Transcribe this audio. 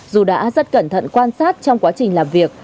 dù đã rất cẩn thận quan sát trong quá trình làm việc